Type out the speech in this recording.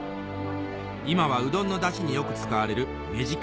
今はうどんのダシによく使われるメジカ